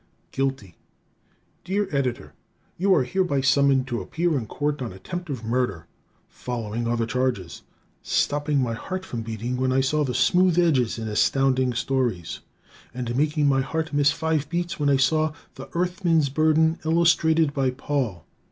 Guilty Dear Editor: You are hereby summoned to appear in Court on attempt of murder. Following are the charges: Stopping my heart from beating when I saw the smooth edges in Astounding Stories, and making my heart miss five beats when I saw "The Earthman's Burden" illustrated by Paul!